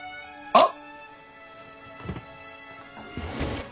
あっ！